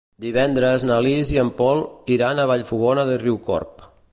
Divendres na Lis i en Pol iran a Vallfogona de Riucorb.